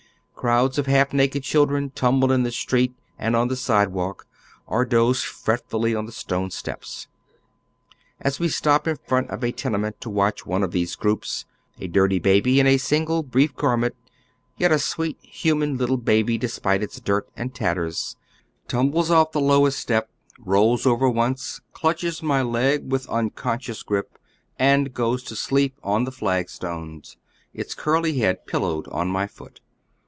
Crowds of half naked children tumble in the street and on the sidewalk, or doze fretfully on the stone steps. As we stop in front of a tenement to watch one of these groups, a dirty baby in a oy Google THE SWEATEES OF JEWTOWN. 135 single brief garment — yet a sweet, humaa little baby de spite its dirt and tatters — tumbles of£ the lowest step, rolls over once, clutches my leg with unconscious grip, and goes to sleep on the flagstones, its curly head pillowed on iny boot.